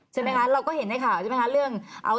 ใช่มั้ยคะเราก็เห็นได้ครับเอาทาตัวอะไรเนี่ยนะค่ะ